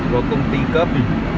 của công ty cấp